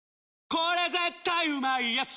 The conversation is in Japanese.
これ絶対うまいやつ」